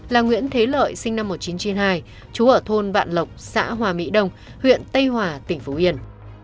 là nguyễn thế lợi sinh năm một nghìn chín trăm chín mươi hai trú ở thôn vạn lộc xã hòa mỹ đồng huyện tây hòa tp yên